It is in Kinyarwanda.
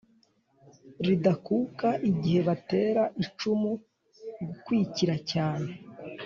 ridakuka igihe batera icumu gukwikira cyane